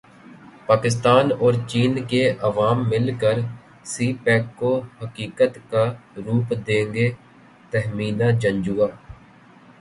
پاکستان اور چین کے عوام مل کر سی پیک کو حقیقت کا روپ دیں گے تہمینہ جنجوعہ